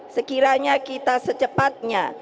sekiranya kita secepatnya